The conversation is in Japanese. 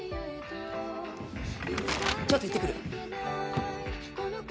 ちょっと行ってくる。